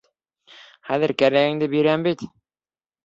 Хәҙер кәрәгеңде бирәм бит!